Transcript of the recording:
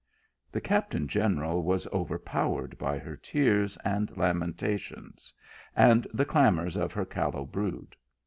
The captain general was overpowered by her tears and lamentations, and the clamours of her callow brood.